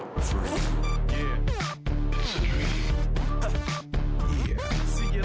lalu kamu harus berpikir tentang waktu